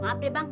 maaf deh bang